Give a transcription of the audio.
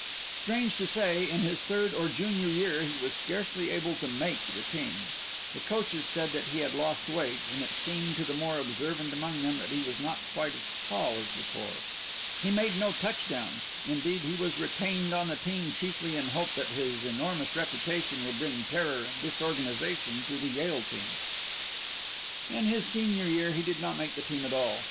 Strange to say, in his third or junior year he was scarcely able to "make" the team. The coaches said that he had lost weight, and it seemed to the more observant among them that he was not quite as tall as before. He made no touchdowns indeed, he was retained on the team chiefly in hope that his enormous reputation would bring terror and disorganisation to the Yale team. In his senior year he did not make the team at all.